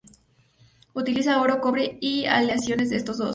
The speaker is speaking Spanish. Utilizaban oro, cobre, y aleaciones de estos dos.